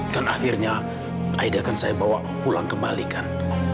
kan akhirnya aida akan saya bawa pulang kembali kan